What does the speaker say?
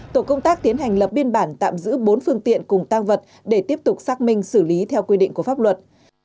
tổ công tác tiến hành lập biên bản tạm giữ bốn phương tiện cùng tăng vật để tiếp tục xác minh xử lý theo quy định của pháp luật